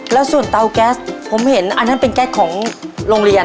แล้วส่วนเตาแก๊สผมเห็นอันนั้นเป็นแก๊สของโรงเรียน